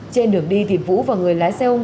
trên đường đi thì vũ và người lái xe ôm